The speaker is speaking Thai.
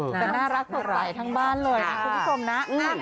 เป็นน่ารักสุดหรอใส่ทั้งบ้านเลยคุณผู้ชมนะ